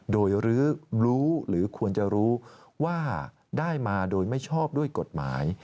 โดยรู้หรือควรจะรู้ว่าได้มาโดยไม่ชอบด้วยกฎหมาย